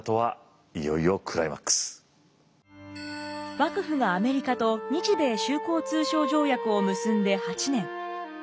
幕府がアメリカと日米修好通商条約を結んで８年。